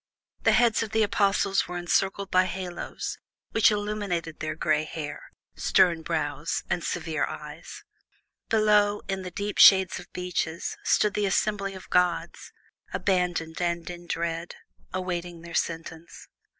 The heads of the Apostles were encircled by halos, which illuminated their gray hair, stern brows, and severe eyes. Below, in the deep shade of beeches, stood the assembly of gods, abandoned and in dread, awaiting their sentence.